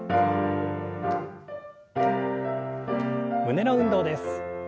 胸の運動です。